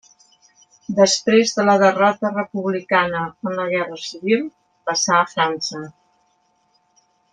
Després de la derrota republicana en la guerra civil, passà a França.